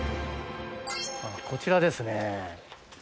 こちらですね。